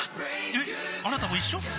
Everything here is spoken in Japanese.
えっあなたも一緒？